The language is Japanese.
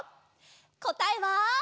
こたえは。